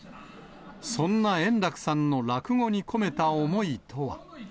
そんな円楽さんの落語に込めた思いとは。